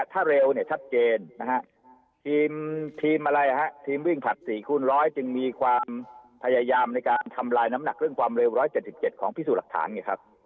ถ้าเร็วเนี่ยชัดเจนนะฮะทีมอะไรฮะทีมวิ่งผลัด๔คูณร้อยจึงมีความพยายามในการทำลายน้ำหนักเรื่องความเร็ว๑๗๗ของพิสูจน์หลักฐานไงครับ